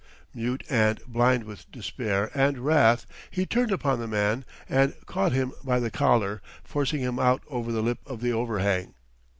Mute and blind with despair and wrath, he turned upon the man and caught him by the collar, forcing him out over the lip of the overhang.